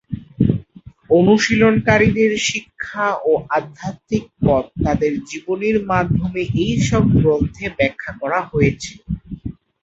অনুশীলনকারীদের শিক্ষা ও আধ্যাত্মিক পথ তাঁদের জীবনীর মাধ্যমে এই সব গ্রন্থে ব্যাখ্যা করা হয়েছে।